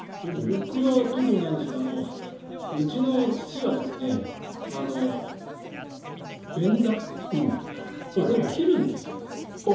僕は特にないんですけどうちの父が便座あれを切るんですよ。